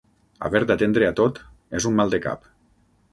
Haver d'atendre a tot és un maldecap.